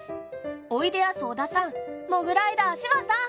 おいでやす小田さん、モグライダー・芝さん